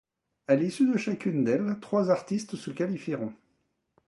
À l'issue de chacune d'elles, trois artistes se qualifieront.